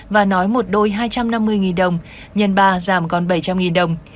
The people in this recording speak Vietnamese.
và nói một đôi hai trăm năm mươi đồng nhân ba giảm còn bảy trăm linh đồng